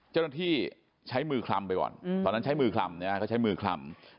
เจ้าหน้าที่ใช้มือคลำไปก่อนตอนนั้นใช้มือคลำเขาใช้มือคลำ